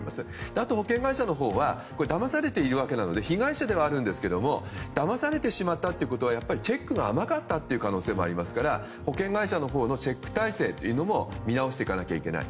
あと保険会社のほうはだまされているわけなので被害者ではあるんですけどだまされてしまったということはチェックが甘かったという可能性もありますから保険会社のほうのチェック体制も見直していかないといけない。